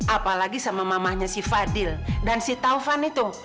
apalagi sama mamahnya si fadil dan si taufan itu